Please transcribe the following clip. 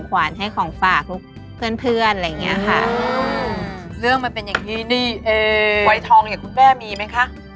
ไว้ทองเหลือคุณแม่มีไหมคะ